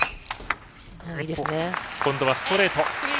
今度はストレート。